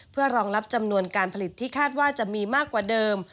เพื่อรองรับจำนวนการผลิตที่คาดว่าจะมีมากกว่าเดิม